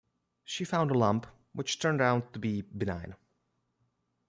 She found a lump, which turned out to be benign.